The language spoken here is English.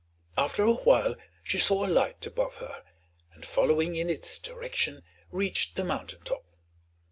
After a while she saw a light above her, and following in its direction reached the mountain top.